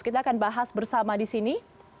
kita akan bahas bersama di sini